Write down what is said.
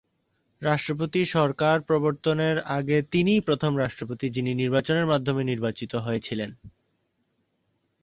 রাষ্ট্রপতি সরকার প্রবর্তনের আগে তিনিই প্রথম রাষ্ট্রপতি যিনি নির্বাচনের মাধ্যমে নির্বাচিত হয়েছিলেন।